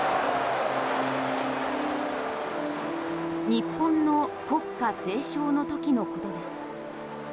日本の国歌斉唱の時のことです。